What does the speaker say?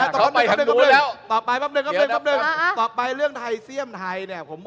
ตาไปต่อไปเรื่องไทยเสี่ยมไทย